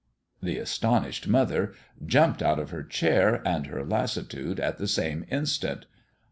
The astonished mother jumped out of her chair and her lassitude at the same instant.